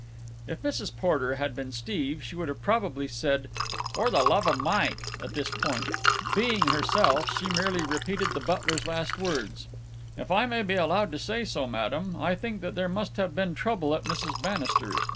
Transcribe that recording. If Mrs. Porter had been Steve, she would probably have said "For the love of Mike!" at this point. Being herself, she merely repeated the butler's last words. "If I may be allowed to say so, madam, I think that there must have been trouble at Mrs. Bannister's.